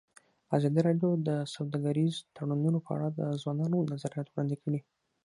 ازادي راډیو د سوداګریز تړونونه په اړه د ځوانانو نظریات وړاندې کړي.